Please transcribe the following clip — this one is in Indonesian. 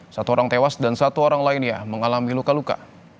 satu orang tewas dan satu orang lainnya mengalami luka luka